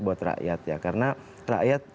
buat rakyat ya karena rakyat